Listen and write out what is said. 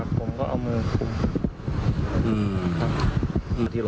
ผมก็เอามือคุมครับ